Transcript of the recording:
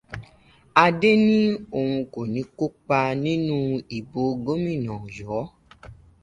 Adé ní òun kò ní kópa nínú ìbò gómìnà Ọ̀yọ́.